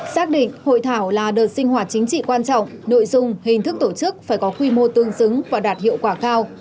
xác định hội thảo là đợt sinh hoạt chính trị quan trọng nội dung hình thức tổ chức phải có quy mô tương xứng và đạt hiệu quả cao